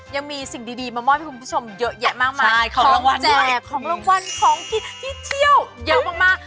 ยังมีสิ่งดีมามอบให้คุณผู้ชมเยอะแยะมากมายของแจกของรางวัลของกินที่เที่ยวเยอะมาก